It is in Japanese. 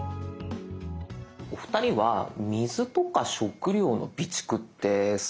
お二人は水とか食料の備蓄ってされてますか？